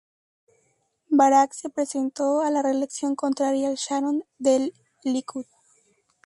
Barak se presentó a la reelección contra Ariel Sharon del Likud.